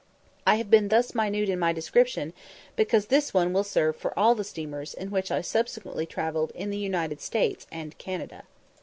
I have been thus minute in my description, because this one will serve for all the steamers in which I subsequently travelled in the United States and Canada.